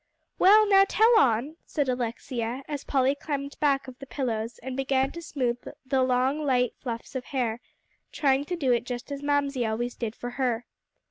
"Well, now tell on," said Alexia, as Polly climbed up back of the pillows, and began to smooth the long light fluffs of hair, trying to do it just as Mamsie always did for her.